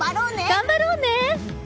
頑張ろうね！